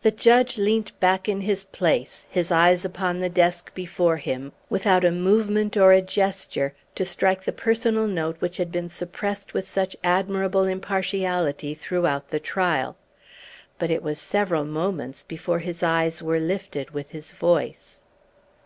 The judge leant back in his place, his eyes upon the desk before him, without a movement or a gesture to strike the personal note which had been suppressed with such admirable impartiality throughout the trial. But it was several moments before his eyes were lifted with his voice.